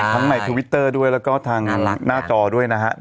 ใช่ทั้งในทวิตเตอร์ด้วยแล้วก็ทางหน้าจอด้วยนะฮะอันลักษณะ